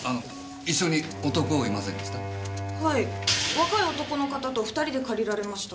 若い男の方と２人で借りられました。